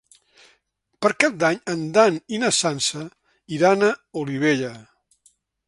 Per Cap d'Any en Dan i na Sança iran a Olivella.